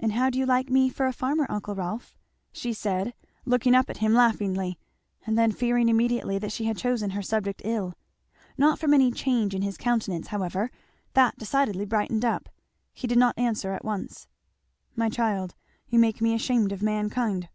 "And how do you like me for a farmer, uncle Rolf?" she said looking up at him laughingly, and then fearing immediately that she had chosen her subject ill. Not from any change in his countenance however, that decidedly brightened up. He did not answer at once. "My child you make me ashamed of mankind!"